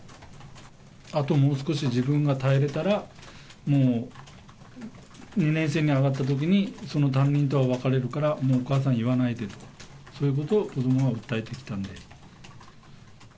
あともう少し自分が耐えれたら、もう、２年生に上がったときに、その担任とは別れるから、もうお母さん言わないで、そういうことを子どもは訴えてきたので。